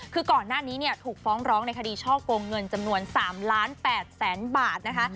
คือก่อนหน้านี้เนี่ยถูกฟ้องร้องในคดีช่อกงเงินจำนวน๓ล้าน๘แสนบาทนะคะ